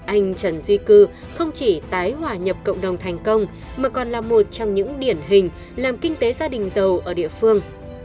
anh trần duy cư không chỉ tái hòa nhập cộng đồng thành công mà còn là một trong những điển hình làm kinh tế gia đình giàu ở địa phương